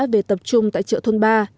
về tập trung tại chợ thôn ba